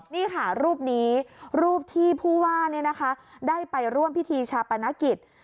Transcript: นี่ค่ะรูปนี้รูปที่ผู้ว่าได้ไปร่วมพิธีชาปนกิจ